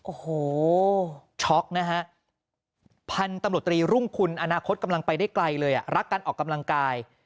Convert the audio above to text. โอ้โหช็อกนะฮะพันธุ์ตำรวจตรีรุ่งคุณอนาคตกำลังไปได้ไกลเลยอ่ะรักการออกกำลังกาย